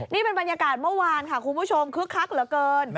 นี่เป็นบรรยากาศเมื่อวานค่ะคุณผู้ชมคึกคักเหลือเกิน